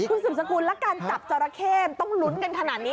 คุณสุดสกุลแล้วการจับจอราเข้มันต้องลุ้นกันขนาดนี้